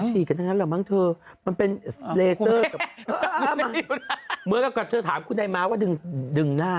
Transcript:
เจ๊แข่งนั้นละละมั้งมันเป็นโบราชคุณไอ้มากว่าดึงดึงหน้า